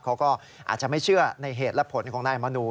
เขาก็อาจจะไม่เชื่อในเหตุและผลของนายมนู